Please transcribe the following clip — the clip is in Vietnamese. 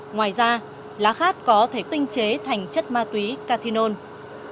ngoài ra lá khát có thể tinh chế thành chất ma túy cathinol